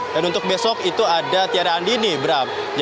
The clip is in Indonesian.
dan untuk besok itu ada tiara andini bram